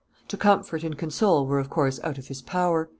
To comfort and console were, of course, out of his power.